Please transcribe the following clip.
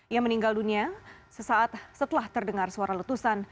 ia meninggal dunia sesaat setelah terdengar suara letusan